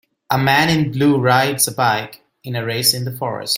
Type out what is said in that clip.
A man in blue rides a bike in a race in the forest.